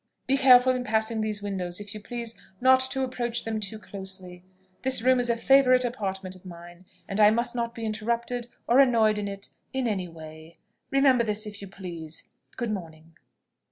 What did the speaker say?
Be careful in passing these windows, if you please, not to approach them too closely. This room is a favourite apartment of mine, and I must not be interrupted or annoyed in it in any way. Remember this, if you please. Good morning."